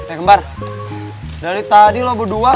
eh kembar dari tadi lo berdua